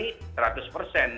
dan kita tahu dari hasilnya